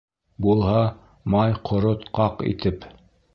Булһа, май, ҡорот, ҡаҡ итеп.